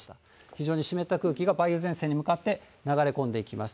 非常に湿った空気が、梅雨前線に向かって、流れ込んでいきます。